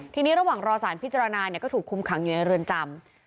ทีนี้ระหว่างรอสารพิจารณาก็ถูกคุมขังอยู่ในเรือนจำ